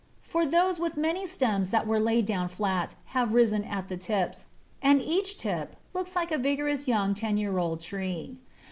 For those with many stems that were laid down flat have risen at the tips, and each tip looks like a vigorous young ten year old tree.